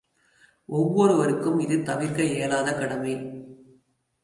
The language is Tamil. ஒவ்வொருவருக்கும் இது தவிர்க்க இயலாத கடமை.